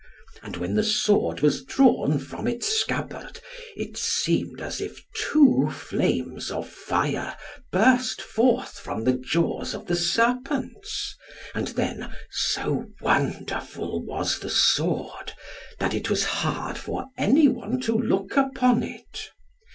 And when the sword was drawn from its scabbard, it seemed as if two flames of fire burst forth from the jaws of the serpents, and then, so wonderful was the sword, that it was hard for any one to look upon it.